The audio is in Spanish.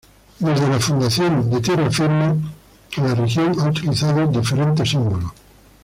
Desde la fundación de Tierra Firme, la región ha utilizado diferentes símbolos.